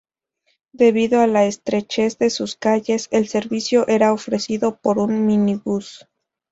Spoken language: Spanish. Debido a la estrechez de sus calles, el servicio era ofrecido por un minibús.